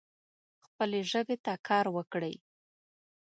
خپلې ژبې ته کار وکړئ